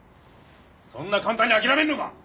そんな簡単に諦めるのか？